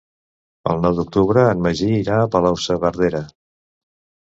El nou d'octubre en Magí irà a Palau-saverdera.